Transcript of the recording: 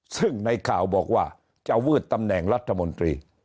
ซึ่งในข่าวบอกว่าจะวืดตำแหน่งรัฐมนตรี